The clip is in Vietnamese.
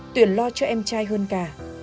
tuyền lo cho em trai hơn cả